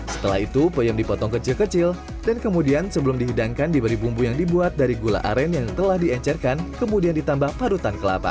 setelah itu peyem dipotong kecil kecil dan kemudian sebelum dihidangkan diberi bumbu yang dibuat dari gula aren yang telah diencerkan kemudian ditambah parutan kelapa